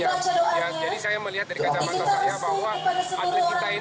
jadi saya melihat dari kata mata saya bahwa atlet kita ini memang harus diekspos keluar